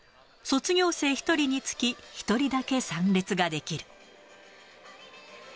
卒業生１人につき１人だけ参列ができる。